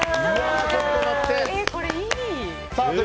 これ、いい！